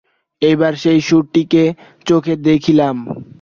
এবার সেই সুরটিকে চোখে দেখিলাম।